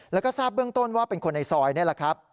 แล้วก็ทราบเบื้องต้นว่าเป็นคนในซอยนี่แหละครับ